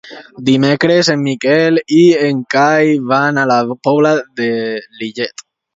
Dimecres en Miquel i en Cai van a la Pobla de Lillet.